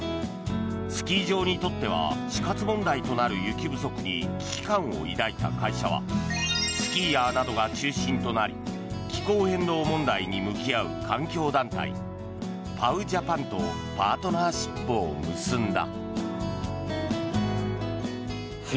スキー場にとっては死活問題となる雪不足に危機感を抱いた会社はスキーヤーなどが中心となり気候変動問題に向き合う環境団体ＰＯＷｊａｐａｎとパートナーシップを結んだ。